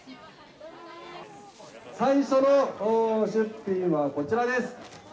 最初の出品はこちらです。